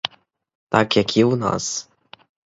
Так, як і у нас!